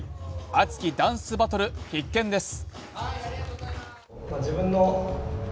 熱きダンスバトル、必見です。